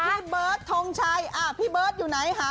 พี่เบิร์ดทงชัยพี่เบิร์ตอยู่ไหนคะ